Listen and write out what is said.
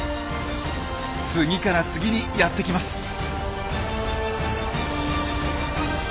次から次にやってきます。